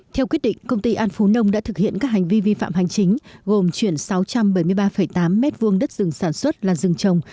theo quyết định công ty an phú nông đã thực hiện các hành vi vi phạm hành chính gồm chuyển sáu trăm bảy mươi ba tám m hai đất rừng sản xuất là rừng trồng